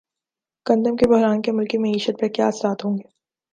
گندم کے بحران کے ملکی معیشت پر کیا اثرات ہوں گے